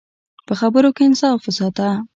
په خبرو کې انصاف وساته.